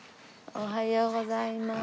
おはようございます。